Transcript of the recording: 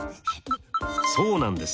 そうなんです。